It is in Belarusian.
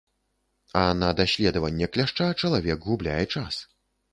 А на даследаванне кляшча чалавек губляе час.